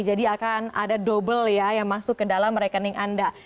jadi akan ada double ya yang masuk ke dalam rekening anda